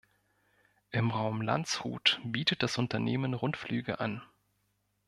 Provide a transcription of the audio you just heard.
Im Raum Landshut bietet das Unternehmen Rundflüge an.